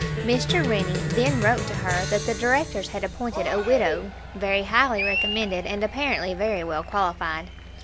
Mr. Rennie then wrote to her that the directors had appointed a widow, very highly recommended, and apparently very well qualified.